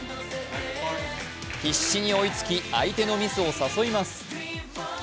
必死に追いつき、相手のミスを誘います。